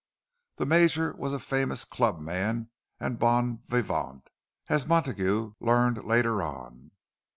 The Major was a famous club man and bon vivant, as Montague learned later on.